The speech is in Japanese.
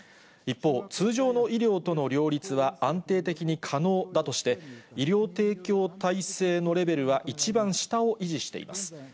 一方、通常の医療との両立は安定的に可能だとして、医療提供体制のレベルは１番下を維持しています。